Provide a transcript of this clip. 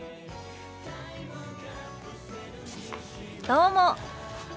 どうも。